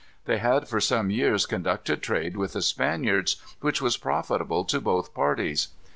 They had for some years conducted trade with the Spaniards, which was profitable to both parties.